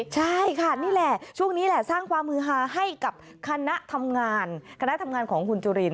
ใช่ค่ะนี่แหละช่วงนี้แหละสร้างความมือฮาให้กับคณะทำงานคณะทำงานของคุณจุลิน